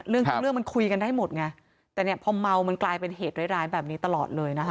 เรื่องทั้งเรื่องมันคุยกันได้หมดไงแต่เนี่ยพอเมามันกลายเป็นเหตุร้ายร้ายแบบนี้ตลอดเลยนะคะ